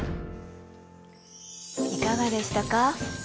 いかがでしたか？